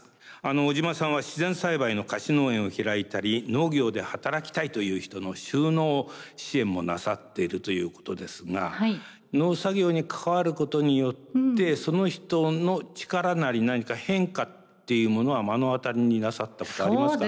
小島さんは自然栽培の貸し農園を開いたり農業で働きたいという人の就農支援もなさっているということですが農作業に関わることによってその人の力なり何か変化っていうものは目の当たりになさったことありますか？